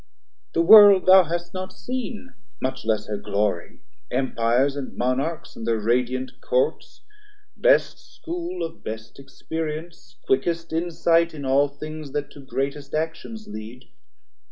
The world thou hast not seen, much less her glory, Empires, and Monarchs, and thir radiant Courts Best school of best experience, quickest in sight In all things that to greatest actions lead.